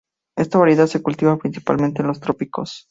Esta variedad se cultiva principalmente en los trópicos.